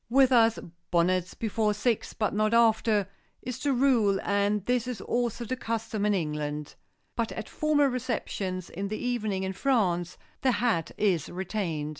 With us "Bonnets before six but not after" is the rule, and this is also the custom in England. But at formal receptions in the evening in France the hat is retained.